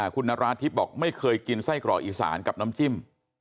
คุณนราธิบบอกไม่เคยกินไส้กรอกอีสานกับน้ำจิ้ม